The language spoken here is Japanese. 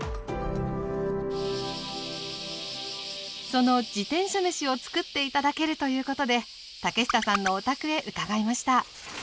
その自転車めしをつくって頂けるということで竹下さんのお宅へ伺いました。